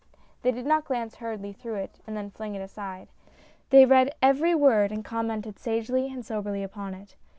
They did not glance hurriedly through it and then fling it aside. They read every word and commented sagely and soberly upon it.